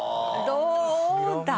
どうだ？